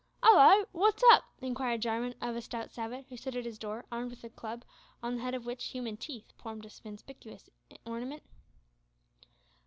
"Hallo! wot's up?" inquired Jarwin of a stout savage who stood at his door armed with a club, on the head of which human teeth formed a conspicuous ornament.